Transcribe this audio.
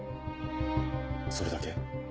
それだけ？